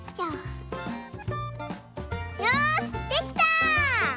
よしできた！